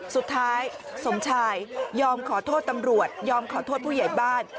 สุดท้ายสมชายยอมขอโทษตำรวจยอมขอโทษผู้ใหญ่บ้าน